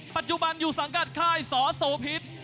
ปัจจุบันอยู่สังกัดค่ายสอโสพิษ